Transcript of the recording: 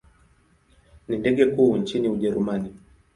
Ni ndege kuu nchini Ujerumani.